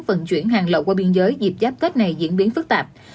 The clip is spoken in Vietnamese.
vận chuyển hàng lậu qua biên giới dịp giáp tết này diễn biến phức tạp